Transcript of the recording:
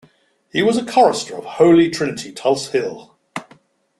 He was a chorister of Holy Trinity, Tulse Hill.